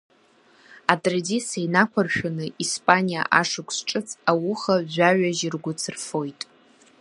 Атрадициа инақәыршәаны, Испаниа ашықәс ҿыц ауха жәаҩа жьыргәыц рфоит.